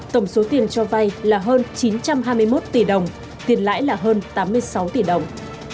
tổng số tiền cho vay là hơn chín trăm hai mươi một tỷ đồng tiền lãi là hơn tám mươi sáu tỷ đồng